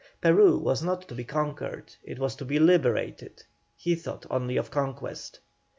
Peru was not to be conquered, it was to be liberated; he thought only of conquest.